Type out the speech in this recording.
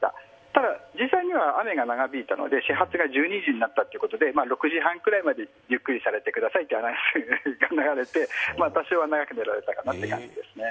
ただ、実際には雨が長引いたので始発が１２時になったということで６時半くらいまでゆっくりされてくださいという話が流れて多少は長く寝られたという感じですかね。